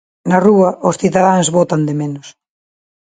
Na rúa, os cidadáns botan de menos.